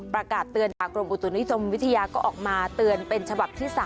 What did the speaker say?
ประกาศเตือนจากกรมอุตุนิยมวิทยาก็ออกมาเตือนเป็นฉบับที่๓